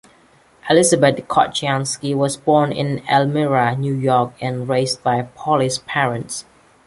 Elizabeth Kocianski was born in Elmira, New York and raised by Polish parents.